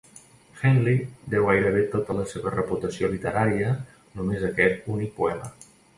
Henley deu gairebé tota la seva reputació literària només a aquests únic poema.